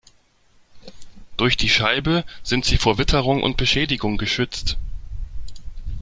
Durch die Scheibe sind sie vor Witterung und Beschädigung geschützt.